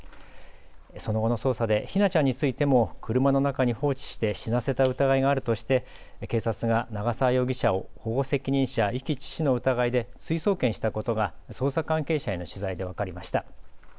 その後の捜査で姫梛ちゃんについても車の中に放置して死なせた疑いがあるとして警察が長澤容疑者を保護責任者遺棄致死の疑いで追送検したことが捜査関係者への取材で分かりました。